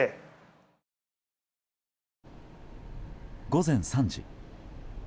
午前３時。